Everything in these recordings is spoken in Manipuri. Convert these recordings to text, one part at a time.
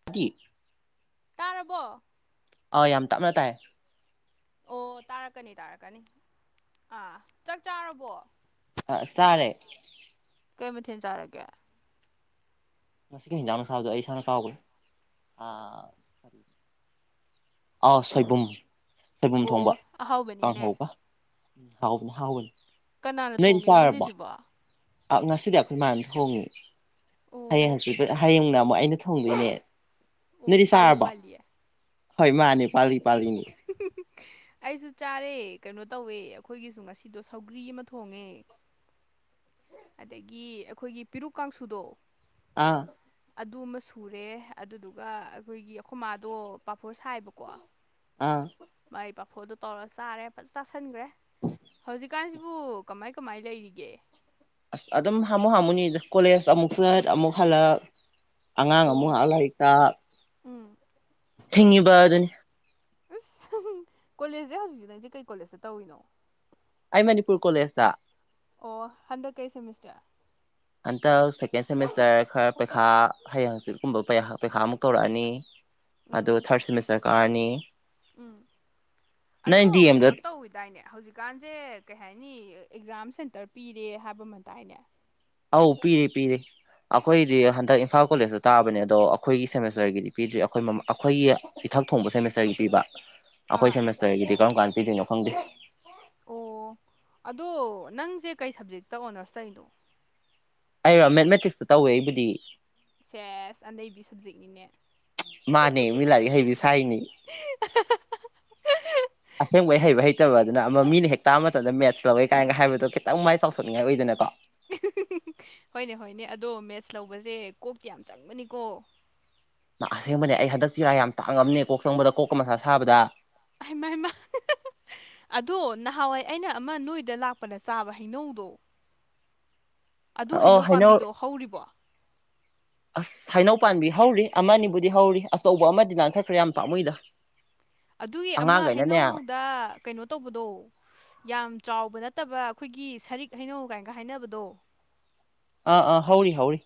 [unintelligible] ꯇꯥꯔꯕꯣ ꯑꯧ ꯌꯥꯝ ꯇꯞꯅ ꯇꯥꯏ ꯑꯣ ꯇꯥꯔꯛꯀꯅꯤ ꯇꯥꯔꯛꯀꯅꯤ ꯑꯥ ꯆꯥꯛ ꯆꯥꯔꯕꯣ ꯫ ꯆꯥꯔꯦ ꯀꯩ ꯃꯊꯦꯜ ꯆꯥꯔꯒꯦ ꯉꯁꯤꯒꯤ ꯍꯤꯟꯖꯥꯡ ꯆꯥꯕꯗꯣ ꯑꯩ ꯏꯁꯥꯅ ꯀꯥꯎꯒꯔꯦ ꯑꯥꯎ ꯁꯣꯏꯕꯨꯝ ꯁꯣꯏꯕꯨꯝ ꯊꯣꯡꯕ ꯑꯣ ꯑꯍꯥꯎꯕꯅꯤꯅꯦ ꯀꯥꯡꯍꯥꯎꯒ ꯍꯥꯎꯕꯅꯤ ꯍꯥꯎꯕꯅꯤ ꯀꯅꯥꯅ ꯊꯣꯡꯉꯤꯅꯣ ꯉꯁꯤꯁꯤꯕꯣ ꯑꯥ ꯉꯁꯤꯗꯤ ꯑꯩꯈꯣꯏ ꯃꯥꯅ ꯊꯣꯡꯉꯦ ꯍꯌꯦꯡ ꯑꯣ ꯍꯪꯆꯤꯠ ꯍꯥꯌꯦꯡꯅ ꯑꯃꯨꯛ ꯑꯩꯅ ꯊꯣꯡꯗꯣꯏꯅꯦ ꯑꯣ ꯅꯣꯏꯗꯤ ꯄꯥꯜꯂꯤ ꯆꯥꯔꯕꯣ ꯄꯥꯜꯂꯤꯌꯦ ꯍꯣꯏ ꯃꯥꯅꯦ ꯄꯥꯜꯂꯤ ꯄꯥꯜꯂꯤꯅꯤ ꯑꯩꯁꯨ ꯆꯥꯔꯦ ꯀꯩꯅꯣ ꯇꯧꯋꯦ ꯑꯩꯈꯣꯏꯒꯤꯁꯨ ꯉꯁꯤꯗꯣ ꯁꯧꯒ꯭ꯔꯤ ꯑꯃ ꯊꯣꯡꯉꯦ ꯑꯗꯒꯤ ꯑꯩꯈꯣꯏꯒꯤ ꯄꯤꯔꯨꯛ ꯀꯥꯡꯁꯨꯗꯣ ꯑꯥ ꯑꯗꯨꯝꯃ ꯁꯨꯔꯦ ꯑꯗꯨꯗꯨꯒ ꯑꯩꯈꯣꯏꯒꯤ ꯑꯩꯈꯣꯏꯃꯥꯗꯣ ꯄꯥꯐꯣꯔ ꯁꯥꯏꯕꯀꯣ ꯑꯥ ꯃꯥꯏ ꯄꯥꯐꯣꯔꯗꯣ ꯇꯧꯔꯒ ꯆꯥꯔꯦ ꯐꯖ ꯆꯥꯁꯟꯒꯔꯦ ꯍꯧꯖꯤꯛ ꯀꯥꯟꯁꯤꯕꯨ ꯀꯃꯥꯏ ꯀꯃꯥꯏ ꯂꯩꯔꯤꯒꯦ ꯑꯁ ꯑꯗꯨꯝ ꯍꯥꯝꯃꯨ ꯍꯥꯝꯃꯨꯅꯤꯗ ꯀꯣꯂꯦꯖ ꯑꯃꯨꯛ ꯆꯠ ꯑꯃꯨꯛ ꯍꯜꯂꯛ ꯑꯉꯥꯡ ꯑꯃꯨꯛ ꯑꯣ ꯉꯍꯛ ꯂꯥꯏꯔꯤꯛꯇꯥꯛ ꯎꯝ ꯍꯤꯡꯉꯤꯕꯗꯨꯅꯤ ꯏꯁꯁ ꯀꯣꯂꯦꯖꯁꯦ ꯍꯧꯖꯤꯛꯁꯤ ꯅꯪꯁꯤ ꯀꯩ ꯀꯣꯂꯦꯖꯇ ꯇꯧꯔꯤꯅꯣ ꯑꯩ ꯃꯅꯤꯄꯨꯔ ꯀꯣꯂꯦꯖꯇꯥ ꯑꯣ ꯍꯟꯗꯛ ꯀꯩ ꯁꯦꯃꯤꯁꯇꯔ ꯍꯟꯇꯛ ꯁꯦꯀꯦꯟ ꯁꯦꯃꯤꯁꯇꯔ ꯈꯔ ꯄꯩꯈꯥ ꯍꯌꯦꯡ ꯍꯪꯆꯤꯠꯀꯨꯝꯕ ꯄꯩꯈꯥ ꯑꯃꯨꯛ ꯇꯧꯔꯛꯑꯅꯤ ꯑꯗꯨ ꯎꯝ ꯊꯥꯔꯠ ꯁꯦꯃꯤꯁꯇꯔ ꯀꯥꯔꯅꯤ ꯎꯝ ꯑꯗꯣ ꯅꯪ ꯗꯤ ꯀꯩꯅꯣ ꯑꯦꯝꯗ ꯇꯧꯋꯤꯗꯥꯏꯅꯦ ꯍꯧꯖꯤꯛ ꯀꯥꯟꯖꯦ ꯀꯩ ꯍꯥꯏꯅꯤ ꯑꯦꯛꯖꯥꯝ ꯁꯦꯟꯇꯔ ꯄꯤꯔꯦ ꯍꯥꯏꯕ ꯑꯃꯇꯥꯏꯅꯦ ꯑꯥꯎ ꯄꯤꯔꯦ ꯄꯤꯔꯦ ꯑꯩꯈꯣꯏꯗꯤ ꯍꯟꯗꯛ ꯏꯝꯐꯥꯜ ꯀꯣꯂꯦꯖꯇ ꯇꯥꯕꯅꯦ ꯑꯗꯣ ꯑꯩꯈꯣꯏꯒꯤ ꯁꯦꯃꯤꯁꯇꯔꯒꯤꯗꯤ ꯄꯤꯗ꯭ꯔꯤ ꯑꯩꯈꯣꯏ ꯑꯩꯈꯣꯏꯒꯤ ꯏꯊꯛ ꯊꯣꯡꯕ ꯁꯦꯃꯤꯁꯇꯔꯒꯤ ꯄꯤꯕ ꯑꯩꯈꯣꯏ ꯑꯥ ꯁꯦꯃꯤꯁꯇꯔꯒꯤꯗꯤ ꯀꯔꯝ ꯀꯥꯟꯗ ꯄꯤꯗꯣꯏꯅꯣ ꯈꯪꯗꯦ ꯑꯣ ꯑꯗꯣ ꯅꯪꯁꯦ ꯀꯩ ꯁꯞꯖꯦꯛꯇ ꯑꯣꯅꯔꯁꯇꯧꯔꯤꯅꯣ ꯑꯩꯔꯣ ꯃꯦꯠꯃꯦꯇꯤꯛꯁꯇ ꯇꯧꯋꯦ ꯑꯩꯕꯨꯗꯤ ꯁꯦꯁ ꯑꯅꯩꯕꯤ ꯁꯕꯖꯦꯛꯅꯤꯅꯦ ꯃꯥꯅꯦ ꯃꯤ ꯂꯥꯏꯔꯤꯛꯍꯩꯕꯤ ꯁꯥꯏꯅꯤ ꯑꯁꯦꯡꯕꯩ ꯍꯩꯕ ꯍꯩꯇꯕ ꯑꯗꯨꯅ ꯑꯃ ꯃꯤꯅ ꯍꯦꯛ ꯇꯥꯕ ꯃꯇꯝꯗ ꯃꯦꯠꯁ ꯂꯧꯋꯦ ꯀꯥꯏꯅꯒ ꯍꯥꯏꯕꯗꯣ ꯈꯤꯇꯪ ꯃꯥꯏ ꯆꯥꯎꯊꯣꯛꯅꯤꯡꯉꯥꯏ ꯑꯣꯏꯗꯅꯀꯣ ꯍꯣꯏꯅꯦ ꯍꯣꯏꯅꯦ ꯑꯗꯣ ꯃꯦꯠꯁ ꯂꯧꯕꯁꯦ ꯀꯣꯛꯇꯤ ꯌꯥꯝ ꯆꯪꯕꯅꯤꯀꯣ ꯑꯁꯦꯡꯕꯅꯦ ꯑꯩ ꯍꯟꯗꯛ ꯆꯤꯔꯥꯏ ꯌꯥꯝ ꯇꯥꯡꯉꯝꯅꯦ ꯀꯣꯛ ꯆꯪꯕꯗ ꯀꯣꯛꯀ ꯃꯊꯥ ꯁꯥꯕꯗ ꯍꯩꯃ ꯍꯩꯃ ꯑꯗꯣ ꯅꯍꯥꯟꯋꯥꯏ ꯑꯩꯅ ꯑꯃ ꯅꯣꯏꯗ ꯂꯥꯛꯄꯗ ꯆꯥꯕ ꯍꯩꯅꯧꯗꯣ ꯑꯗꯨ ꯍꯩꯅꯧ ꯄꯥꯝꯕꯤꯗꯣ ꯍꯧꯔꯤꯕꯣ ꯑꯁ ꯍꯩꯅꯧ ꯄꯥꯟꯕꯤ ꯍꯧꯔꯤ ꯑꯃꯅꯤꯕꯨꯗꯤ ꯍꯧꯔꯤ ꯑꯆꯧꯕ ꯑꯃꯗꯤ ꯌꯟꯊꯠꯈ꯭ꯔꯦ ꯌꯥꯝ ꯄꯥꯝꯃꯨꯏꯗ ꯑꯗꯨꯒꯤ ꯑꯃ ꯑꯉꯥꯡꯈꯩꯅꯅꯦ ꯑꯥ ꯍꯩꯅꯧꯗ ꯀꯩꯅꯣ ꯇꯧꯕꯗꯣ ꯌꯥꯝ ꯆꯥꯎꯕ ꯅꯠꯇꯕ ꯑꯩꯈꯣꯏꯒꯤ ꯁꯔꯤꯛ ꯍꯩꯅꯧ ꯒꯥꯏꯅꯒ ꯍꯥꯏꯅꯕꯗꯣ ꯑꯥ ꯑꯥ ꯍꯧꯔꯤ ꯍꯧꯔꯤ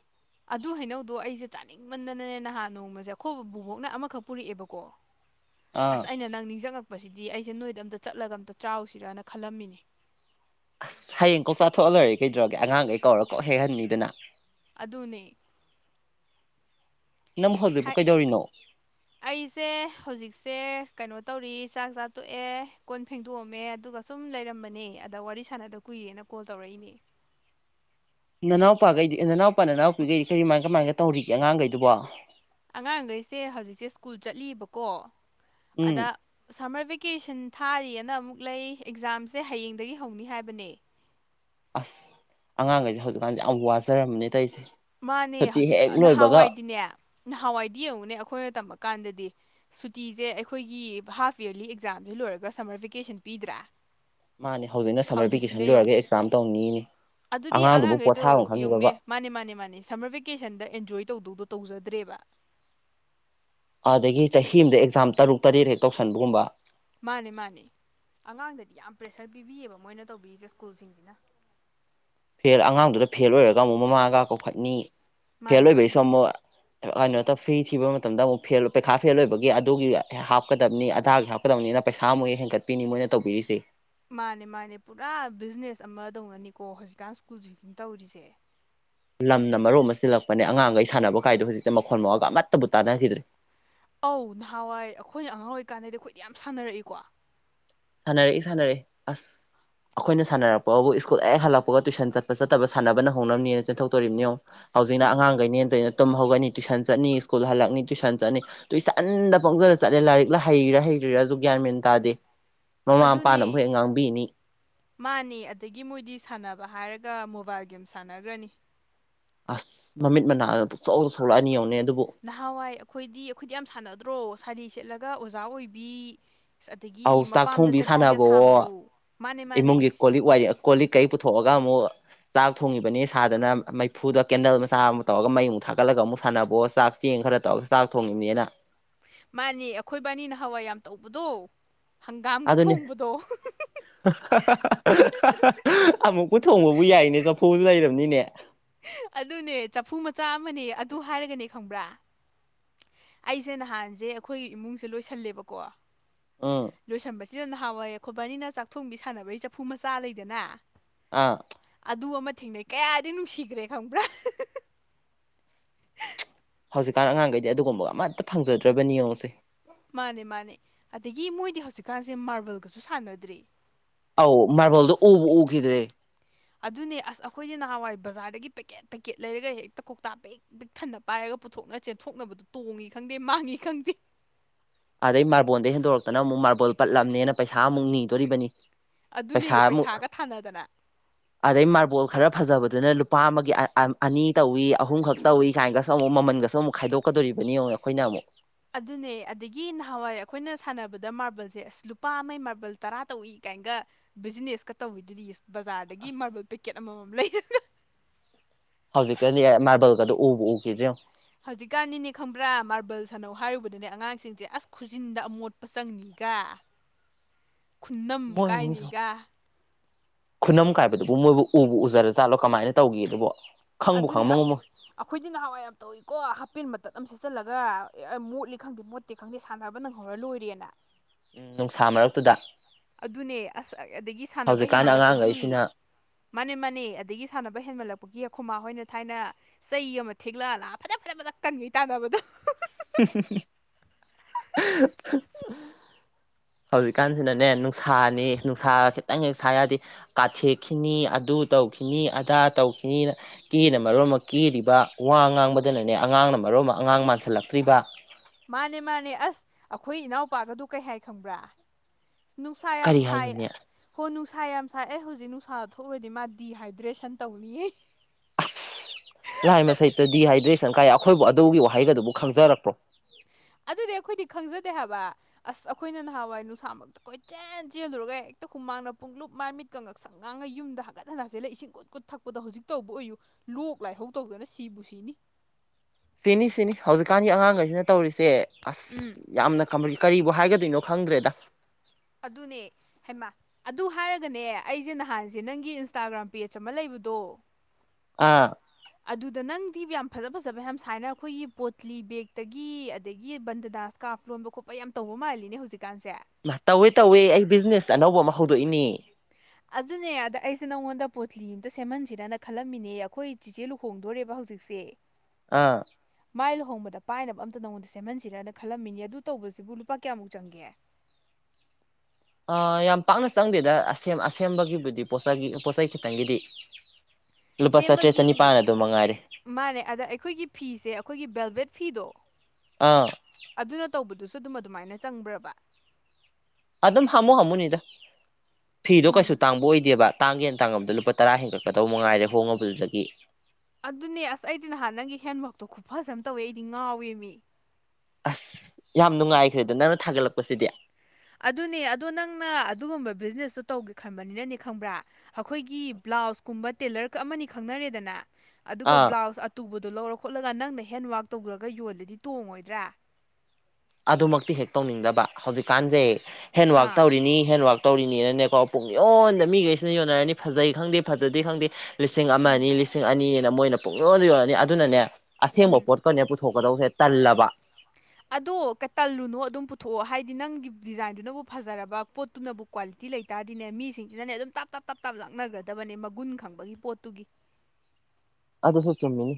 ꯑꯗꯨ ꯍꯩꯅꯧꯗꯣ ꯑꯩꯁꯦ ꯆꯥꯅꯤꯡꯃꯟꯗꯅꯅꯦ ꯅꯍꯥꯟ ꯅꯣꯡꯃꯁꯦ ꯑꯩꯈꯣꯏ ꯕꯨꯕꯣꯛꯅ ꯑꯃꯈꯛ ꯄꯨꯔꯛꯑꯦꯕꯀꯣ [unintelligible] ꯑꯁ ꯑꯩꯅ ꯅꯪ ꯅꯤꯡꯖꯤꯡꯉꯛꯄꯁꯤꯗꯤ ꯑꯩꯁꯦ ꯅꯣꯏꯗ ꯑꯝꯇ ꯆꯠꯂꯒ ꯑꯝꯇ ꯆꯥꯎꯁꯤꯔꯥꯅ ꯈꯜꯂꯝꯃꯤꯅꯤ ꯑꯁ ꯍꯌꯦꯡ ꯀꯣꯛ ꯆꯥꯊꯣꯛꯑ ꯂꯣꯏꯔꯦ ꯀꯩꯗꯧꯔꯒꯦ ꯑꯉꯥꯡꯈꯩ ꯀꯧꯔ ꯀꯣꯛ ꯍꯦꯛꯍꯟꯅꯤꯗꯅ ꯑꯗꯨꯅꯦ ꯅꯪ ꯍꯧꯖꯤꯛꯄꯨ ꯍꯥꯏ ꯀꯩꯗꯧꯔꯤꯅꯣ ꯑꯩꯁꯦ ꯍꯧꯖꯤꯛꯁꯦ ꯀꯩꯅꯣ ꯇꯧꯔꯤ ꯆꯥꯛ ꯆꯥ ꯇꯣꯛꯑꯦ ꯀꯣꯟ ꯐꯦꯡꯗꯣꯛꯑꯝꯃꯦ ꯑꯗꯨꯒ ꯁꯨꯝ ꯂꯩꯔꯝꯕꯅꯦ ꯑꯗ ꯋꯥꯔꯤ ꯁꯥꯟꯅꯗ ꯀꯨꯏꯔꯦꯅ ꯀꯣꯜ ꯇꯧꯔꯛꯏꯅꯦ ꯅꯅꯥꯎꯄꯥꯒꯩꯗꯤ ꯑꯦ ꯅꯅꯥꯎꯄꯥ ꯅꯅꯥꯎꯄꯤꯒꯩꯗꯤ ꯀꯔꯤꯃꯥꯏ ꯀꯃꯥꯏꯅ ꯇꯧꯔꯤꯒꯦ ꯑꯉꯥꯡꯉꯩꯗꯨꯕꯣ ꯑꯉꯥꯡꯒꯩꯁꯦ ꯍꯧꯖꯤꯛꯁꯦ ꯁ꯭ꯀꯨꯜ ꯆꯠꯂꯤꯕꯀꯣ ꯎꯝ ꯑꯗ ꯁꯝꯃꯔ ꯚꯦꯀꯦꯁꯟ ꯊꯥꯔꯤꯌꯦꯅ ꯑꯃꯨꯛ ꯂꯩ ꯑꯦꯛꯖꯥꯝꯁꯦ ꯍꯌꯦꯡꯗꯒꯤ ꯍꯧꯅꯤ ꯍꯥꯏꯕꯅꯦ ꯑꯁ ꯑꯉꯥꯡꯈꯩꯁꯦ ꯍꯧꯖꯤꯛꯀꯥꯟꯁꯦ ꯌꯥꯝ ꯋꯥꯖꯔꯕꯅꯦ ꯇꯧꯔꯤꯁꯦ ꯃꯥꯅꯦ ꯁꯨꯇꯤ ꯍꯧꯖꯤꯛ ꯍꯦꯛ ꯂꯣꯏꯕꯒ ꯅꯍꯥꯟꯋꯥꯏꯗꯤꯅꯦ ꯅꯍꯥꯟꯋꯥꯏꯗꯤ ꯌꯦꯡꯉꯨꯅꯦ ꯑꯩꯈꯣꯏꯅ ꯇꯝꯃꯀꯥꯟꯗꯗꯤ ꯁꯨꯇꯤꯁꯦ ꯑꯩꯈꯣꯏꯒꯤ ꯍꯥꯐ ꯌꯔꯂꯤ ꯑꯦꯛꯖꯥꯝꯁꯦ ꯂꯣꯏꯔꯒ ꯁꯝꯃꯔ ꯚꯦꯀꯦꯁꯟ ꯄꯤꯗ꯭ꯔꯥ ꯃꯥꯅꯦ ꯍꯧꯖꯤꯛꯅ ꯁꯝꯃꯔ ꯍꯧꯖꯤꯛꯁꯤꯅ ꯚꯦꯀꯦꯁꯟ ꯌꯦꯡꯉꯨ ꯂꯣꯏꯔꯒ ꯑꯦꯛꯖꯥꯝ ꯇꯧꯅꯤꯅꯦ ꯑꯗꯨꯗꯤ ꯑꯉꯥꯡꯗꯨꯕꯨ ꯄꯣꯊꯥꯐꯝ ꯑꯉꯥꯡꯈꯩꯗꯣ ꯈꯪꯉꯤꯕꯕꯥ ꯌꯦꯡꯉꯨꯅꯦ ꯃꯥꯅꯦ ꯃꯥꯅꯦ ꯃꯥꯅꯦ ꯁꯝꯃꯔ ꯕꯦꯀꯦꯁꯟꯗ ꯑꯦꯟꯖꯣꯏ ꯇꯧꯗꯧꯗꯣ ꯇꯧꯖꯗ꯭ꯔꯦꯕ ꯑꯗꯒꯤ ꯆꯍꯤ ꯑꯃꯗ ꯑꯦꯛꯖꯥꯝ ꯇꯔꯨꯛ ꯇꯔꯦꯠ ꯍꯦꯛ ꯇꯧꯁꯟꯕꯒꯨꯝꯕ ꯃꯥꯅꯦ ꯃꯥꯅꯦ ꯑꯉꯥꯡꯗꯗꯤ ꯌꯥꯝ ꯄ꯭ꯔꯦꯁꯔ ꯄꯤꯕꯤꯌꯦꯕ ꯃꯣꯏꯅ ꯇꯧꯕꯤꯔꯤꯁꯦ ꯁ꯭ꯀꯨꯜꯁꯤꯡꯁꯤꯅ ꯐꯦꯜ ꯑꯉꯥꯡꯗꯨꯗ ꯐꯦꯜ ꯑꯣꯏꯔꯒ ꯑꯃꯨꯛ ꯃꯃꯥꯒ ꯀꯧꯈꯠꯅꯤ ꯐꯦꯜ ꯃꯥꯅꯦ ꯃꯥꯅꯦ ꯑꯣꯏꯕꯩꯁꯨ ꯑꯃꯨꯛ ꯀꯩꯅꯣꯇ ꯐ꯭ꯔꯤ ꯊꯤꯕ ꯃꯇꯝꯗ ꯑꯃꯨꯛ ꯐꯦꯜ ꯄꯩꯈꯥ ꯐꯦꯜ ꯑꯣꯏꯕꯒꯤ ꯑꯗꯨꯒꯤ ꯍꯥꯞꯀꯗꯕꯅꯤ ꯑꯙꯥꯒꯤ ꯍꯥꯞ ꯀꯗꯧꯅꯤꯅ ꯄꯩꯁꯥ ꯑꯃꯨꯛ ꯍꯦꯟꯒꯠꯄꯤꯅꯤ ꯃꯣꯏꯅ ꯇꯧꯕꯤꯔꯤꯁꯦ ꯃꯥꯅꯦ ꯃꯥꯅꯦ ꯄꯨꯔꯥ ꯕꯤꯖꯤꯅꯦꯁ ꯑꯃ ꯇꯧꯅꯅꯤꯀꯣ ꯍꯧꯖꯤꯛꯀꯥꯟ ꯁ꯭ꯀꯨꯜꯁꯤꯡꯁꯤ ꯇꯧꯔꯤꯁꯦ ꯂꯝꯅ ꯃꯔꯣꯝ ꯑꯃ ꯆꯤꯜꯂꯛꯄꯅꯦ ꯑꯉꯥꯡꯒꯩ ꯁꯥꯟꯅꯕ ꯀꯥꯏꯗꯣ ꯍꯧꯖꯤꯛꯇꯤ ꯃꯈꯣꯟ ꯃꯥꯎꯋꯥꯒ ꯑꯃꯠꯇꯕꯨ ꯇꯥꯟꯅꯈꯤꯗ꯭ꯔꯦ ꯑꯧ ꯅꯍꯥꯟꯋꯥꯏ ꯑꯩꯈꯣꯏꯅ ꯑꯉꯥꯡ ꯑꯣꯏꯔꯤ ꯀꯥꯟꯗꯗꯤ ꯑꯩꯈꯣꯏ ꯌꯥꯝ ꯁꯥꯟꯅꯔꯛꯏꯀꯣ ꯁꯥꯟꯅꯔꯛꯢ ꯁꯥꯟꯅꯔꯛꯢ ꯑꯁ ꯑꯩꯈꯣꯏꯅ ꯁꯥꯟꯅꯔꯄꯕꯨ ꯁ꯭ꯀꯨꯜ ꯌꯦꯛ ꯍꯜꯂꯛꯄꯒ ꯇꯨꯏꯁꯟ ꯆꯠꯄ ꯆꯠꯇꯕ ꯁꯥꯟꯅꯕꯅ ꯅꯪꯍꯧꯅꯕꯅꯦꯅ ꯆꯦꯟꯊꯣꯛꯇꯧꯔꯤꯅꯦ ꯌꯣ ꯍꯧꯖꯤꯛꯅ ꯑꯉꯥꯡꯈꯩꯅꯦꯅ ꯇꯨꯝ ꯍꯧꯒꯠꯅꯤ ꯇꯨꯏꯁꯟ ꯆꯠꯅꯤ ꯁ꯭ꯀꯨꯜ ꯍꯜꯂꯛꯅꯤ ꯇꯨꯏꯁꯟ ꯆꯠꯅꯤ ꯇꯨ ꯏꯁꯆꯟꯗ ꯄꯣꯡꯖꯠ ꯆꯠꯂꯦ ꯂꯥꯏꯔꯤꯛ ꯂ ꯍꯩꯔꯥ ꯍꯩꯇ꯭ꯔꯤꯔꯁꯨ ꯒ꯭ꯌꯥꯟ ꯃꯦꯟ ꯇꯥꯗꯦ ꯃꯃꯥ ꯃꯄꯥꯅ ꯑꯃꯨꯛ ꯑꯗꯨꯅꯦ ꯍꯦꯛ ꯉꯥꯡꯕꯤꯅꯤ ꯃꯥꯅꯦ ꯑꯗꯒꯤ ꯃꯣꯏꯗꯤ ꯁꯥꯟꯅꯕ ꯍꯥꯏꯔꯒ ꯃꯣꯕꯥꯏꯜ ꯒꯦꯝ ꯁꯥꯟꯅꯈ꯭ꯔꯅꯤ ꯑꯁ ꯃꯃꯤꯠ ꯃꯅꯥꯗ ꯄꯨꯡꯁꯣꯛꯇ ꯁꯣꯛꯂꯛꯑꯅꯤ ꯉꯦꯡꯉꯨꯅꯦ ꯑꯗꯨꯕꯨ ꯅꯍꯥꯟꯋꯥꯏ ꯑꯩꯈꯣꯏꯗꯤ ꯑꯩꯈꯣꯏꯗꯤ ꯌꯥꯝ ꯁꯥꯟꯅꯗ꯭ꯔꯣ ꯁꯥꯔꯤ ꯁꯦꯠꯂꯒ ꯑꯣꯖꯥ ꯑꯣꯏꯕꯤ ꯑꯗꯒꯤ ꯑꯧ ꯆꯥꯛ ꯃꯄꯥꯝꯗ ꯊꯣꯡꯕꯤ ꯆꯠꯄꯤꯒ ꯁꯥꯕꯗꯣ ꯃꯥꯅꯦ ꯃꯥꯅꯦ ꯋꯥ ꯀꯣꯜ ꯂꯤꯛ ꯀꯩ ꯄꯨꯊꯣꯛꯑꯒ ꯑꯃꯨꯛ ꯆꯥꯛ ꯊꯣꯡꯉꯤꯕꯅꯤ ꯁꯥꯗꯅ ꯃꯩꯐꯨꯗ ꯀꯦꯟꯗꯜ ꯃꯆꯥ ꯑꯃ ꯇꯧꯔꯒ ꯃꯩꯃꯨꯛ ꯊꯥꯒꯠꯂꯒ ꯑꯃꯨꯛ ꯁꯥꯟꯅꯕꯣ ꯆꯥꯛ ꯆꯦꯡ ꯈꯔ ꯇꯧꯗꯅ ꯆꯥꯛ ꯊꯣꯡꯉꯤꯅꯤꯅ ꯃꯥꯅꯦ ꯑꯩꯈꯣꯏ ꯏꯕꯥꯅꯤꯅ ꯅꯍꯥꯜꯋꯥꯏ ꯌꯥꯝ ꯇꯧꯕꯗꯣ ꯍꯪꯒꯥꯝꯒ ꯊꯣꯡꯕꯗꯣ ꯑꯃꯨꯛꯀ ꯊꯣꯡꯕꯕꯨ ꯌꯥꯏꯅꯦ ꯆꯐꯨꯁꯨ ꯂꯩꯔꯝꯅꯤꯅꯦ ꯑꯗꯨꯅꯦ ꯆꯐꯨ ꯃꯆꯥ ꯑꯃꯅꯦ ꯑꯗꯨ ꯍꯥꯏꯔꯒꯅꯦ ꯈꯪꯕ꯭ꯔꯥ ꯑꯩꯁꯦ ꯅꯍꯥꯟꯁꯦ ꯑꯩꯈꯣꯏꯁꯦ ꯏꯃꯨꯡꯁꯦ ꯂꯣꯏꯁꯜꯂꯦꯕꯀꯣ ꯑꯥ ꯂꯣꯏꯁꯟꯕꯁꯤꯗ ꯅꯍꯥꯎꯋꯥꯏꯌꯦ ꯑꯩꯣꯏꯕꯥꯅꯤꯅ ꯆꯥꯛ ꯊꯣꯡꯕꯤ ꯁꯥꯟꯅꯕꯩ ꯆꯐꯨ ꯃꯆꯥ ꯂꯩꯗꯅ ꯑꯥ ꯑꯗꯨ ꯑꯃ ꯊꯦꯡꯅꯩ ꯀꯌꯥꯗꯤ ꯅꯨꯡꯁꯤꯈ꯭ꯔꯦ ꯈꯪꯕ꯭ꯔꯥ ꯍꯧꯖꯤꯛꯀꯥꯟ ꯑꯉꯥꯡꯈꯩꯗꯤ ꯑꯗꯨꯒꯨꯝꯕꯒ ꯑꯃꯠꯇ ꯐꯪꯖꯗ꯭ꯔꯕꯅꯤ ꯌꯦꯡꯉꯨꯁꯦ ꯃꯥꯅꯦ ꯃꯥꯅꯦ ꯑꯗꯒꯤ ꯃꯣꯏꯗꯤ ꯍꯧꯖꯤꯛꯀꯥꯟꯁꯦ ꯃꯥꯔꯕꯜꯒꯁꯨ ꯁꯥꯟꯅꯗ꯭ꯔꯤ ꯑꯧ ꯃꯥꯔꯕꯜꯗꯣ ꯎꯕꯨ ꯎꯈꯤꯗ꯭ꯔꯦ ꯑꯗꯨꯅꯦ ꯑꯁ ꯑꯩꯈꯣꯏꯗꯤ ꯅꯍꯥꯟꯋꯥꯏ ꯕꯖꯥꯔꯗꯒꯤ ꯄꯦꯀꯦꯠ ꯄꯦꯀꯦꯠ ꯂꯩꯔꯒ ꯍꯦꯛꯇ ꯀꯧꯇꯥ ꯄꯦꯛ ꯍꯦꯛ ꯄꯤꯛ ꯊꯟꯅ ꯄꯥꯏꯔꯒ ꯄꯨꯊꯣꯛ ꯆꯦꯟꯊꯣꯛꯅꯕꯗꯣ ꯇꯣꯡꯉꯤ ꯈꯪꯗꯦ ꯃꯥꯡꯏ ꯈꯪꯗꯦ ꯑꯗꯩ ꯃꯥꯔꯕꯣꯜꯗꯩ ꯍꯦꯟꯗꯣꯔꯛꯇꯅ ꯑꯃꯨꯛ ꯃꯥꯔꯕꯣꯜ ꯄꯠꯂꯝꯅꯦꯅ ꯄꯩꯁꯥ ꯑꯃꯨꯛ ꯅꯤꯗꯣꯔꯤꯕꯅꯤ ꯑꯗꯨꯅꯦ ꯄꯩꯁꯥ ꯑꯃꯨꯛ ꯄꯩꯁꯥꯒ ꯊꯥꯅꯗꯅ ꯑꯗꯩ ꯃꯥꯔꯕꯣꯜ ꯈꯔ ꯐꯖꯕꯗꯨꯅ ꯂꯨꯄꯥ ꯑꯃꯒꯤ ꯑꯅꯤ ꯇꯧꯏꯤ ꯑꯍꯨꯝ ꯈꯛ ꯇꯧꯏꯤ ꯀꯥꯏꯅꯒ ꯑꯃꯨꯛ ꯃꯃꯟꯒꯁꯨ ꯑꯃꯨꯛ ꯈꯥꯏꯗꯣꯛꯀꯗꯣꯔꯤꯕꯅꯤ ꯑꯃꯉ ꯑꯩꯈꯣꯏꯅ ꯑꯃꯨꯛ ꯑꯗꯨꯅꯦ ꯑꯗꯒꯤ ꯅꯍꯥꯟꯋꯥꯏ ꯑꯩꯈꯣꯏꯅ ꯁꯥꯟꯅꯕꯗ ꯃꯥꯔꯕꯜꯁꯦ ꯑꯁ ꯂꯨꯄꯥ ꯑꯃꯒꯤ ꯃꯥꯔꯕꯜ ꯇꯔꯥ ꯇꯧꯏ ꯀꯥꯏꯅꯒ ꯕꯤꯖꯤꯅꯦꯁꯀ ꯇꯧꯋꯤꯗꯨꯗꯤ ꯕꯖꯥꯔꯗꯒꯤ ꯃꯥꯔꯕꯜ ꯄꯦꯀꯦꯠ ꯑꯃꯃꯝ ꯂꯩ ꯍꯧꯖꯤꯛꯀꯗꯤ ꯃꯥꯔꯕꯜꯒꯗꯣ ꯎꯕ ꯎꯈꯤꯗ꯭ꯔꯦ ꯍꯧꯖꯤꯛꯀꯥꯟꯗꯤꯅꯦ ꯈꯪꯕ꯭ꯔꯥ ꯃꯥꯔꯕꯜ ꯁꯅꯧ ꯍꯥꯏꯔꯨꯕꯗꯨꯅꯦ ꯑꯉꯥꯡꯁꯤꯡꯁꯦ ꯑꯁ ꯈꯨꯖꯤꯟꯗ ꯑꯃꯣꯠꯄ ꯆꯪꯉꯤꯒ [inaudible] ꯈꯨꯅꯝ ꯃꯣꯏ ꯃꯤꯗꯣ ꯀꯥꯏꯔꯤꯒ ꯈꯨꯅꯝ ꯀꯥꯏꯕꯗꯨꯕꯨ ꯃꯣꯏꯕꯨ ꯎꯕꯨ ꯎꯖꯔ ꯆꯥꯠꯂꯣ ꯀꯃꯥꯏꯅ ꯇꯧꯒ ꯑꯗꯨꯕꯨꯣ ꯑꯗꯨꯅꯦ ꯑꯁ ꯑꯩꯈꯣꯏꯗꯤ ꯅꯍꯥꯟꯋꯥꯏ ꯌꯥꯝ ꯇꯧꯏꯀꯣ ꯍꯥꯞꯄꯦꯟ ꯃꯇꯠ ꯑꯃ ꯁꯦꯠꯆꯜꯂꯒ ꯑ ꯃꯣꯠꯂꯤ ꯈꯪꯗꯦ ꯃꯣꯠ ꯇꯦ ꯈꯪꯗꯦ ꯁꯥꯟꯅꯕ ꯅꯪꯍꯧꯔ ꯂꯣꯏꯔꯦꯅ ꯎꯝ ꯅꯨꯡꯁꯥ ꯃꯔꯛꯇꯨꯗ ꯑꯗꯨꯅꯦ ꯑꯁ ꯑꯗꯒꯤ ꯁꯥꯟꯅꯕ ꯍꯧꯖꯤꯛꯀꯥꯟ ꯍꯦꯟꯃꯟꯂꯛꯄꯒꯤ ꯑꯉꯥꯡꯈꯩꯁꯤꯅ ꯃꯥꯅꯦ ꯃꯥꯅꯦ ꯑꯗꯒꯤ ꯁꯥꯟꯅꯕ ꯍꯦꯟꯃꯟꯂꯛꯄꯒꯤ ꯑꯈꯨꯃꯥ ꯍꯣꯏꯅ ꯊꯥꯏꯅ ꯆꯩ ꯑꯃ ꯊꯦꯛꯂꯛꯑ ꯂꯥꯛ ꯐꯗꯠ ꯐꯗꯠ ꯐꯗꯠ ꯀꯟꯒꯩ ꯇꯥꯟꯅꯕꯗꯣ ‌ [unintelligible] ꯍꯧꯖꯤꯛꯀꯥꯟꯁꯤꯅꯅꯦ ꯅꯨꯡꯁꯥꯅꯤ ꯅꯨꯡꯁꯥ ꯈꯤꯇꯪ ꯍꯦꯛ ꯁꯥ ꯌꯥꯗꯦ ꯀꯥꯊꯦꯛꯈꯤꯅꯤ ꯑꯗꯨ ꯇꯧꯈꯤꯅꯤ ꯑꯗꯥ ꯇꯧꯈꯤꯅꯤꯅ ꯀꯦꯅ ꯃꯔꯣꯟ ꯃ ꯀꯤꯔꯤꯕ ꯋꯥ ꯉꯥꯡꯕꯗꯅꯅꯦ ꯑꯉꯥꯡꯅ ꯃꯔꯣꯟꯃ ꯑꯉꯥꯡ ꯃꯥꯟꯁꯤꯜꯂꯛꯇ꯭ꯔꯤꯕ ꯃꯥꯅꯦ ꯃꯥꯅꯦ ꯑꯁ ꯑꯈꯣꯏ ꯏꯅꯥꯎꯄꯥꯒꯗꯣ ꯀꯩ ꯍꯥꯏ ꯈꯪꯕ꯭ꯔꯥ ꯅꯨꯡꯁꯥ ꯌꯥꯝ ꯀꯔꯤ ꯁꯥꯏ ꯍꯥꯏꯅꯣꯅꯦ ꯍꯣ ꯅꯨꯡꯁꯥ ꯌꯥꯝ ꯁꯥꯏ ꯑꯩ ꯍꯧꯖꯤꯛ ꯅꯨꯡꯁꯥꯗ ꯊꯣꯛꯎꯔꯗꯤ ꯃꯥ ꯗꯤꯍꯥꯏꯗ꯭ꯔꯦꯁꯟ ꯇꯧꯅꯤꯌꯦ ꯑꯁ ꯂꯥꯏꯃ ꯁꯩꯇ ꯗꯤꯍꯥꯏꯗ꯭ꯔꯦꯁꯟ ꯀꯥꯏ ꯑꯩꯈꯣꯏꯕꯨ ꯑꯗꯨꯒꯤ ꯋꯥꯍꯩꯒꯗꯨꯕꯨ ꯈꯪꯖꯔꯛꯄ꯭ꯔꯣ ꯑꯗꯨꯗꯤ ꯑꯩꯈꯣꯏꯗꯤ ꯈꯪꯖꯗꯦ ꯍꯥꯏꯕ ꯑꯁ ꯑꯩꯈꯣꯏꯅ ꯅꯍꯥꯟꯋꯥꯏ ꯅꯨꯡꯁꯥꯃꯛ ꯀꯣꯏꯆꯦꯟ ꯆꯦꯜꯂꯨꯔꯒ ꯍꯦꯛꯇ ꯍꯨꯃꯥꯡꯅ ꯄꯨꯡꯂꯨꯞ ꯃꯥꯏ ꯃꯤꯠꯀ‌ ꯉꯥꯡꯁꯛ ꯉꯥꯡꯒꯩ ꯌꯨꯝꯗ ꯍꯟꯒꯠ ꯍꯟꯗ ꯆ‌ꯦꯜꯂꯛꯑ ꯏꯁꯤꯡ ꯀꯨꯠ ꯀꯨꯠ ꯀꯨꯠ ꯊꯛꯄꯗꯣ ꯍꯧꯖꯤꯛ ꯇꯧꯕ ꯑꯣꯏꯌꯨ ꯂꯣꯛ ꯂꯥꯏꯍꯧ ꯇꯧꯗꯅ ꯁꯤꯕꯨ ꯁꯤꯅꯤ ꯁꯤꯅꯤ ꯁꯤꯅꯤ ꯍꯧꯖꯤꯛꯀꯥꯟꯒꯤ ꯑꯉꯥꯡꯒꯩꯖꯤꯅ ꯇꯧꯔꯤꯁꯦ ꯎꯝ ꯑꯁ ꯌꯥꯝꯅ ꯀꯔꯤꯕꯨ ꯍꯥꯏꯒꯗꯨꯏꯅꯣ ꯈꯪꯗ꯭ꯔꯦꯗ ꯑꯗꯨꯅꯦ ꯍꯩꯃꯥ ꯑꯗꯨ ꯍꯥꯏꯔꯒꯅꯦ ꯑꯩꯁꯦ ꯅꯍꯥꯟꯁꯦ ꯅꯪꯒꯤ ꯏꯟꯁꯇꯥꯒ꯭ꯔꯥꯝ ꯄꯦꯖ ꯑꯃ ꯂꯩꯕꯗꯣ ꯑꯥ ꯑꯗꯨꯗ ꯅꯪꯗꯤ ꯌꯥꯝ ꯐꯖ ꯐꯖꯕ ꯌꯥꯝ ꯁꯥꯏꯅ ꯑꯩꯈꯣꯏꯒꯤ ꯄꯣꯠꯂꯤ ꯕꯦꯛꯇꯒꯤ ꯑꯗꯒꯤ ꯕꯟꯗꯗꯥꯁ ꯀꯥꯞ ꯂꯣꯟꯕ ꯈꯣꯠꯄ ꯌꯥꯝ ꯇꯧꯕ ꯃꯥꯜꯂꯤꯅꯦ ꯍꯧꯖꯤꯛꯀꯥꯟꯁꯦ ꯃꯥ ꯇꯧꯋꯦ ꯇꯧꯋꯦ ꯑꯩ ꯕꯤꯖꯤꯅꯦꯁ ꯑꯅꯧꯕ ꯑꯃ ꯍꯧꯗꯣꯛꯏꯅꯦ ꯑꯗꯨꯅꯦ ꯑꯗ ꯑꯩꯁꯦ ꯅꯪꯉꯣꯟꯗ ꯄꯣꯠꯂꯤ ꯑꯃꯇ ꯁꯦꯝꯍꯟꯁꯤꯔꯅ ꯈꯜꯂꯝꯃꯤꯅꯦ ꯑꯈꯣꯏ ꯆꯤꯆꯦ ꯂꯨ ꯍꯣꯡꯗꯣꯔꯦꯕ ꯍꯧꯖꯤꯛꯁꯦ ꯑꯥ ꯃꯥꯏ ꯂꯨꯍꯣꯡꯕꯗ ꯄꯥꯏꯅꯕ ꯑꯝꯇ ꯅꯉꯣꯟꯗ ꯁꯦꯝꯍꯟꯁꯤꯔꯅ ꯈꯜꯂꯝꯃꯤꯅꯤ ꯑꯗꯨ ꯇꯧꯕꯁꯤꯕꯨ ꯂꯨꯄꯥ ꯀꯌꯥꯃꯨꯛ ꯆꯪꯒꯦ ꯑꯥ ꯌꯥꯝ ꯄꯥꯛꯅ ꯆꯪꯗꯦꯗ ꯑꯁꯦꯝ ꯑꯁꯦꯝꯕꯒꯤꯕꯨꯗꯤ ꯄꯣꯠ ꯆꯪ ꯄꯣꯠꯆꯩ ꯈꯤꯇꯪꯒꯤꯗꯤ [unintelligible] ꯁꯦꯝꯕꯒꯤ ꯆꯅꯤꯄꯥꯟ ꯑꯗꯨꯝ ꯃꯉꯥꯏꯔꯦ ꯃꯥꯅꯦ ꯑꯗ ꯑꯩꯈꯣꯏꯒꯤ ꯐꯤꯁꯦ ꯑꯩꯈꯣꯏꯒꯤ ꯕꯦꯜꯕꯦꯠ ꯐꯤꯗꯣ ꯑꯥ ꯑꯗꯨꯅ ꯇꯧꯕꯗꯨꯁꯨ ꯑꯗꯨꯝ ꯑꯗꯨꯃꯥꯏꯅ ꯆꯪꯕ꯭ꯔꯕ ꯑꯗꯨꯝ ꯍꯥꯝꯃꯨ ꯍꯥꯝꯃꯨꯅꯤꯗ ꯐꯤꯗꯣ ꯀꯩꯁꯨ ꯎꯝ ꯇꯥꯡꯕ ꯑꯣꯏꯗꯦꯕ ꯇꯥꯡꯒꯦꯅ ꯇꯥꯡꯉꯕꯗ ꯂꯨꯄꯥ ꯇꯔꯥ ꯍꯦꯟꯒꯠꯀꯗꯧꯕ ꯃꯉꯥꯏꯔꯦ ꯍꯣꯡꯉꯕꯗꯨꯗꯒꯤ ꯑꯗꯨꯅꯦ ꯑꯁ ꯑꯩꯗꯤ ꯅꯍꯥꯟ ꯅꯪꯒꯤ ꯍꯦꯟꯋꯥꯛꯇ‌ꯣ ꯈꯨꯐꯖ ꯃ‌ ꯇꯩꯏ ꯑꯩꯗꯤ ꯉꯥꯎꯏꯃ‌ꯦ ꯑꯁ ꯌꯥꯝ ꯅꯨꯡꯉꯥꯏꯒ꯭ꯔꯦꯗ ꯅꯪꯅ ꯊꯥꯒꯠꯂꯛꯄꯁꯤꯗꯤ ꯑꯗꯨꯅꯦ ꯑꯗꯣ ꯅꯪꯅ ꯑꯗꯨꯒꯨꯝꯕ ꯕꯤꯖꯤꯅꯦꯁꯇ‌ꯣ ꯇꯧꯒꯦ ꯈꯟꯕꯅꯤꯅꯅꯦ ꯈꯪꯕ꯭ꯔꯥ ꯑꯩꯈꯣꯏꯒꯤ ꯕ꯭ꯂꯥꯎꯁꯀꯨꯝꯕ ꯇꯦꯂꯔꯀ ꯑꯃꯅꯤ ꯈꯪꯅꯔꯦꯗꯅ ꯑꯗꯨꯒ ꯑꯥ ꯕ꯭ꯂꯥꯎꯁ ꯑꯇꯨꯕꯗꯣ ꯂꯧꯔ ꯈꯣꯠꯂꯒ ꯅꯪꯅ ꯍꯦꯟꯋꯥꯛ ꯇꯧꯔꯒ ꯌꯣꯜꯂꯗꯤ ꯇꯣꯡꯉꯣꯏꯗ꯭ꯔꯦ ꯑꯗꯨꯃꯛꯇꯤ ꯍꯦꯛ ꯇꯧꯅꯤꯡꯗꯕ ꯍꯧꯖꯤꯛꯀꯥꯟꯁꯦ ꯍꯦꯟꯋꯥꯛ ꯑꯥ ꯇꯧꯔꯤꯅꯤ ꯍꯦꯟꯋꯥꯛ ꯇꯧꯔꯤꯅꯦꯅꯅꯦ ꯀꯣ ꯄꯨꯡꯌꯣꯟꯗ ꯃꯤꯒꯩꯁꯤꯅ ꯌꯣꯟꯅꯔꯅꯤ ꯐꯖꯩ ꯈꯪꯗꯦ ꯐꯖꯗꯦ ꯈꯪꯗꯦ ꯂꯤꯁꯤꯡ ꯑꯃ ꯑꯅꯤ ꯂꯤꯁꯤꯡ ꯑꯅꯤꯅ ꯃꯣꯏꯅ ꯄꯨꯡꯌꯣꯟꯗ ꯌꯣꯟꯂꯅꯤ ꯑꯗꯨꯅꯅꯦ ꯑꯁꯦꯡꯕ ꯎꯝ ꯄꯣꯠꯀꯅꯦ ꯄꯨꯊꯣꯛꯀꯗꯧꯁꯦ ꯇꯜꯂꯕ ꯑꯗꯣ ꯇꯜꯂꯨꯅꯨ ꯑꯗꯨꯝ ꯄꯨꯊꯣꯛꯑꯣ ꯍꯥꯏꯗꯤ ꯅꯪꯒꯤ ꯗꯤꯖꯥꯏꯟꯗꯨꯅꯕꯨ ꯐꯖꯔꯕ ꯄꯣꯠꯇꯨꯅꯕꯨ ꯀ꯭ꯋꯥꯂꯤꯇꯤ ꯂꯩꯇꯥꯥꯔꯗꯤꯅꯦ ꯃꯤꯁꯤꯡꯁꯤꯅꯅꯦ ꯑꯗꯨꯝ ꯇꯞ ꯇꯞ ꯇꯞ ꯇꯥꯞ ꯂꯥꯛꯅꯈ꯭ꯔꯗꯕꯅꯦ ꯃꯒꯨꯟ ꯈꯪꯕꯒꯤ ꯄꯣꯠꯇꯨꯒꯤ ꯑꯗꯨꯁꯨ ꯆꯨꯝꯃꯤꯅꯤ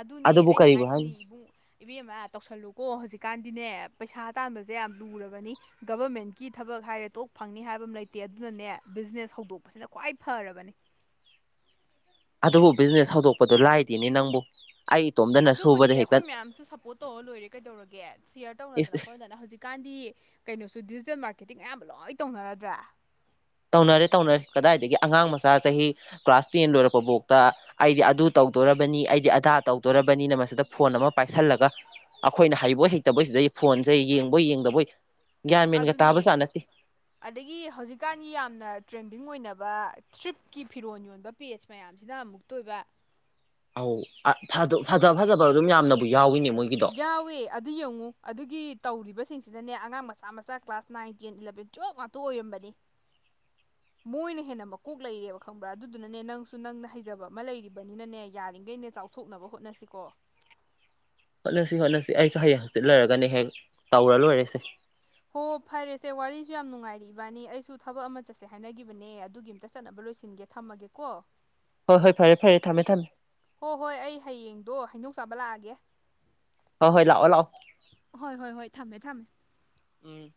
ꯑꯗꯨꯅꯦ ꯑꯗꯨꯕꯨ ꯑꯩꯅ ꯀꯔꯤꯕꯨ ꯍꯥꯏꯁꯤꯅꯤ ꯍꯥꯏꯅꯤ ꯏꯕꯨꯡ ꯏꯕꯦꯝꯃ ꯇꯧꯁꯜꯂꯨꯀꯣ ꯍꯧꯖꯤꯛꯀꯥꯟꯗꯤꯅꯦ ꯄꯩꯁꯥ ꯇꯥꯟꯕꯁꯦ ꯌꯥꯝ ꯂꯨꯔꯕꯅꯤ ꯒꯕꯔꯃꯦꯟꯀꯤ ꯊꯕꯛ ꯍꯥꯏꯔꯦ ꯇꯣꯛ ꯐꯪꯅꯤ ꯍꯥꯏꯕ ꯑꯃ ꯂꯩꯇꯦ ꯑꯗꯨꯅꯅꯦ ꯕꯤꯖꯤꯅꯦꯁ ꯍꯧꯗꯣꯛꯄꯁꯤꯅ ꯈ꯭ꯋꯥꯏ ꯐꯔꯕꯅꯤ ꯑꯗꯨꯕꯨ ꯕꯤꯖꯤꯅꯦꯁ ꯍꯧꯗꯣꯛꯄꯗꯨ ꯂꯥꯏꯗꯤꯦꯅꯦ ꯅꯪꯕꯨ ꯑꯩ ꯏꯇꯣꯝꯗꯅ ꯑꯗꯨꯕꯨꯗꯤ ꯁꯨꯕꯗ ꯍꯦꯛꯇ ꯑꯩꯈꯣꯏ ꯃꯌꯥꯝꯁꯨ ꯁꯞꯄꯣꯔꯠ ꯇꯧꯔ ꯂꯣꯏꯔꯦ ꯀꯩꯗꯧꯔꯒꯦ ꯁꯤꯌꯔ ꯏꯁ ꯇꯧꯅꯗꯅ ꯏꯁ ꯈꯣꯠꯅꯗꯅ ꯍꯧꯖꯤꯛ ꯀꯥꯟꯗꯤ ꯀꯩꯅꯣꯁꯨ ꯗꯤꯖꯤꯇꯦꯜ ꯃꯥꯔꯀꯦꯇꯤꯡ ꯑꯌꯥꯝꯕ ꯂꯣꯏ ꯇꯧꯅꯔꯗ꯭ꯔꯥ ꯇꯧꯅꯔꯦ ꯇꯧꯅꯔꯦ ꯀꯗꯥꯏꯗꯒꯤ ꯑꯉꯥꯡ ꯃꯆꯥ ꯆꯍꯤ ꯀ꯭ꯂꯥꯁ ꯇꯦꯟ ꯂꯣꯏꯔꯛꯄꯐꯥꯎꯇ ꯑꯩꯗꯤ ꯑꯗꯨ ꯇꯧꯗꯣꯔꯔꯕꯅꯤ ꯑꯩꯗꯤ ꯑꯗꯥ ꯇꯧꯗꯣꯔꯔꯕꯅꯤꯅ ꯃꯁꯤꯗ ꯐꯣꯟ ꯑꯃ ꯄꯥꯏꯁꯤꯜꯂꯒ ꯑꯩꯈꯣꯏꯅ ꯍꯩꯕꯣꯏ ꯍꯩꯇ ꯁꯤꯗꯩ ꯐꯣꯟꯁꯦ ꯌꯦꯡꯕꯣꯏ ꯌꯦꯡꯗꯕꯣꯏ ꯒ꯭ꯌꯥꯟ ꯃꯦꯟꯒ ꯑꯗꯨꯅꯦ ꯇꯥꯕꯖꯥꯠ ꯅꯠꯇꯦ ꯑꯗꯒꯤ ꯍꯧꯖꯤꯛꯀꯥꯟꯒꯤ ꯌꯥꯝꯅ ꯇ꯭ꯔꯦꯟꯗꯤꯡ ꯑꯣꯏꯅꯕ ꯊ꯭ꯔꯤꯞꯀꯤ ꯐꯤꯔꯣꯟ ꯌꯣꯟꯕ ꯄꯦꯖ ꯃꯌꯥꯝꯁꯤꯅ ꯑꯃꯨꯛꯇ ꯑꯣꯏꯕ ꯑꯧ ꯐꯖꯕ ꯐꯖꯕ ꯑꯗꯨꯝ ꯌꯥꯝꯌꯥꯝꯅꯕꯨ ꯌꯥꯎꯋꯤꯅꯦ ꯃꯣꯏ ꯌꯥꯋꯦ ꯑꯗꯨ ꯌꯦꯡꯉꯨ ꯑꯗꯨꯒꯤ ꯇꯧꯔꯤꯕꯁꯤꯡꯁꯤꯅꯅꯦ ꯑꯉꯥꯡ ꯃꯆꯥ ꯃꯆꯥ ꯀ꯭ꯂꯥꯁ ꯅꯥꯏꯟ ꯇꯦꯟ ꯏꯂꯕꯦꯟ ꯖꯞ ꯉꯥꯛꯇ ꯑꯣꯏꯔꯝꯕꯅꯤ ꯃꯣꯏꯅ ꯍꯦꯟꯅ ꯃꯀꯣꯛ ꯂꯩꯔꯦꯕ ꯈꯪꯕ꯭ꯔꯥ ꯑꯗꯨꯗꯨꯅꯅꯦ ꯅꯪꯁꯨ ꯅꯪꯅ ꯍꯩꯖꯕ ꯑꯃ ꯂꯩꯔꯤꯕꯅꯤꯅꯅꯦ ꯌꯥꯔꯤꯈꯩꯅꯦ ꯆꯥꯎ ꯊ ꯊꯣꯛꯅꯕ ꯍꯣꯠꯅꯁꯤꯀꯣ ꯍꯣꯠꯅꯁꯤ ꯍꯣꯠꯅꯁꯤ ꯑꯩꯁꯨ ꯍꯌꯦꯡ ꯍꯪꯆꯤꯠ ꯂꯩꯔꯒꯅꯦ ꯍꯦꯛ ꯇꯧꯔ ꯂꯣꯏꯔꯦꯁꯦ ꯍꯣ ꯐꯔꯦꯁꯦ ꯋꯥꯔꯤꯁꯨ ꯌꯥꯝ ꯅꯨꯡꯉꯥꯏꯔꯛ ꯏꯕꯥꯅꯤ ꯑꯩꯁꯨ ꯊꯕꯛ ꯑꯃ ꯆꯠꯁꯦ ꯍꯥꯏꯅꯒꯤꯈꯤꯕꯅꯦ ꯑꯗꯨꯒꯤ ꯑꯝꯇ ꯆꯠꯅꯕ ꯂꯣꯏꯁꯤꯟꯒꯦ ꯊꯝꯃꯒꯦꯀꯣ ꯍꯣꯏ ꯍꯣꯏ ꯐꯔꯦ ꯐꯔꯦ ꯊꯝꯃꯦ ꯊꯝꯃꯦ ꯍꯣ ꯍꯣꯏ ꯑꯩ ꯍꯌꯦꯡꯗꯣ ꯍꯩꯅꯣꯛ ꯆꯥꯕ ꯂꯥꯛꯑꯒꯦ ꯍꯣꯏ ꯍꯣꯏ ꯂꯥꯛꯑꯣ ꯂꯥꯛꯑꯣ ꯍꯣꯏ ꯍꯣꯏ ꯍꯣꯏ ꯊꯝꯃꯦ ꯊꯝꯃꯦ ꯎꯝ